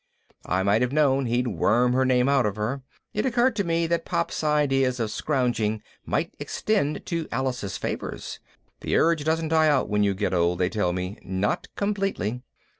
I might have known he'd worm her name out of her. It occurred to me that Pop's ideas of scrounging might extend to Alice's favors. The urge doesn't die out when you get old, they tell me. Not completely.